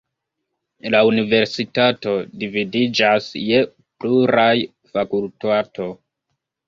La universitato dividiĝas je pluraj fakultato.